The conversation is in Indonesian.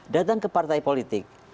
datang ke partai politik